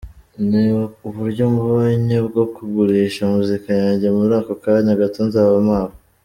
Ni uburyo mbonye bwo kugurisha muzika yanjye muri ako kanya gato nzaba mpawe.